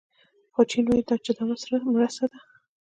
خو چین وايي چې دا مرسته ده.